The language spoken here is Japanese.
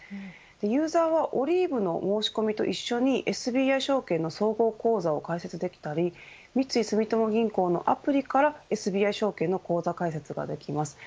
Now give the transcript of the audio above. ユーザーはＯｌｉｖｅの申し込みと一緒にＳＢＩ証券の総合口座を開設できたり三井住友銀行のアプリからＳＢＩ証券の口座開設ができます。